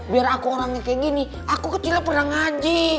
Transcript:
biar aku orangnya kayak gini aku kecilnya pernah ngaji